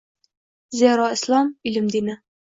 Zero Islom – ilm dini.